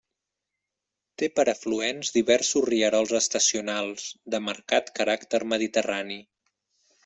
Té per afluents diversos rierols estacionals, de marcat caràcter mediterrani.